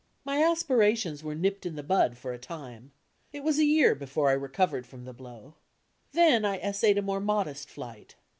My aspirations were nipped in the bud for a time. It was a year before I recovered from the blow. Then I essayed a more modest flight.